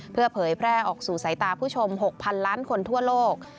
เพื่อเผยแพร่ออกสู่สายตาผู้ชม๖๐๐๐ล้านคนทั่วโลก